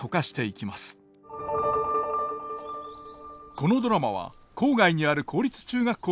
このドラマは郊外にある公立中学校が舞台。